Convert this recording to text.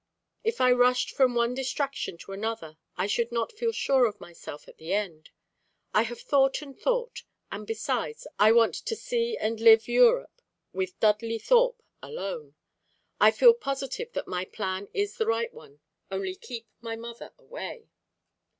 If I rushed from one distraction to another I should not feel sure of myself at the end. I have thought and thought; and, besides, I want to see and live Europe with Dudley Thorpe alone. I feel positive that my plan is the right one. Only keep my mother away."